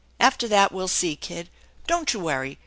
After that we'll see, kid. Don't you worry.